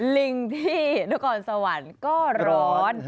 ลิงที่ด้วยก่อนสวรรค์ก็ร้อน